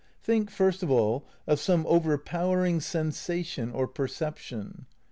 Think, first of all, of some overpowering sensation or perception.